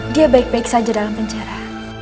dia baik baik saja dalam penjara